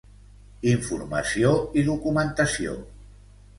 Informació i documentació.